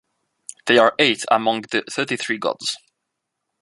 They are eight among the Thirty-three gods.